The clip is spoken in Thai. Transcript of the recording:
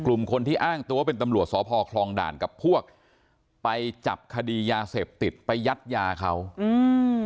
กลุ่มคนที่อ้างตัวเป็นตำรวจสพคลองด่านกับพวกไปจับคดียาเสพติดไปยัดยาเขาอืม